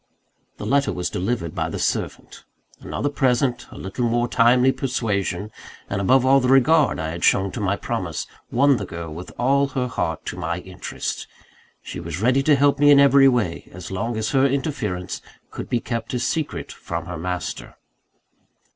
The letter was delivered by the servant. Another present, a little more timely persuasion, and above all, the regard I had shown to my promise, won the girl with all her heart to my interests. She was ready to help me in every way, as long as her interference could be kept a secret from her master.